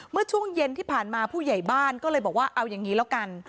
เมื่อช่วงเย็นที่ผ่านมาผู้ใหญ่บ้านก็เลยบอกว่าเอาอย่างนี้แล้วกัน